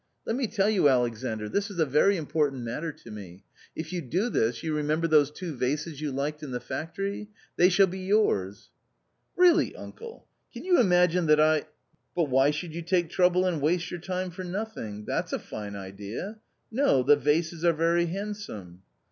Let me tell you, Alexandr, this is a very important matter to me ; if you do this, you remember those two vases you liked in the factory ? they shall be yours." " Really, uncle, can you imagine that I "" But why should you take trouble and waste your time for nothing ? That's a fine idea ! No ! the vases are very handsome."